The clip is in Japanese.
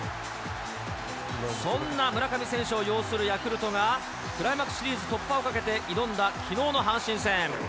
そんな村上選手を擁するヤクルトが、クライマックスシリーズ突破をかけて挑んだ、きのうの阪神戦。